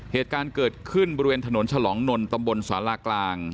เหตุการณ์เกิดขึ้นบริเวณถนนฉลองนนตำบลศาลากลาง